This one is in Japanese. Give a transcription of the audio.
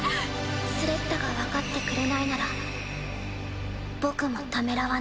スレッタが分かってくれないなら僕もためらわない。